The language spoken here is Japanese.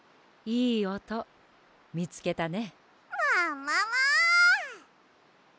いいおとみつけたね。